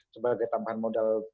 sebagai tambahan modal